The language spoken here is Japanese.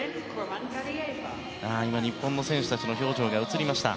日本の選手たちの表情が映りました。